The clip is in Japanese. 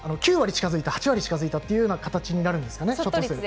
９割近づいた８割近づいたという形になるんですかね。